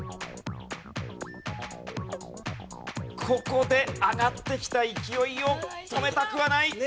ここで上がってきた勢いを止めたくはない。